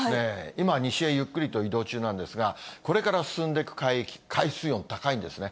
今、西へゆっくりと移動中なんですが、これから進んでいく海域、海水温高いんですね。